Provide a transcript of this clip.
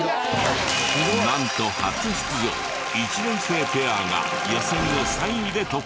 なんと初出場１年生ペアが予選を３位で突破！